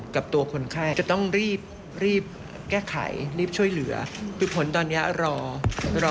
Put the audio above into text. กับตัวคนไข้จะต้องรีบรีบแก้ไขรีบช่วยเหลือคือผลตอนนี้รอรอ